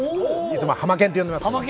いつもハマケンって呼んでいます。